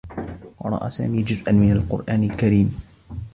قرأ سامي جزءا من القرآن الكريم.